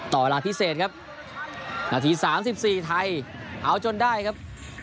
ต่อเวลาพิเศษครับนาที๓๔ไทยเอาจนได้ครับ